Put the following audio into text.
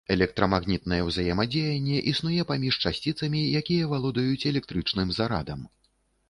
Электрамагнітнае ўзаемадзеянне існуе паміж часціцамі, якія валодаюць электрычным зарадам.